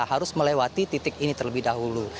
harus melewati titik ini terlebih dahulu